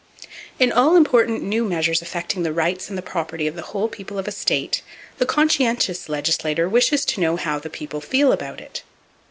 In all important new measures affecting the rights and the property of the whole people of a state, the conscientious legislator wishes to know how the people feel about it.